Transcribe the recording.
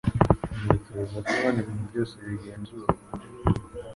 Ntekereza ko ibintu byose hano bigenzurwa .